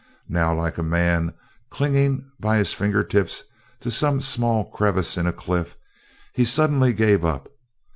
Now, like a man clinging by his finger tips to some small crevice in a cliff, he suddenly gave up.